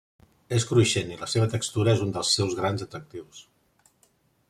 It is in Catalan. És cruixent i la seva textura és un dels seus grans atractius.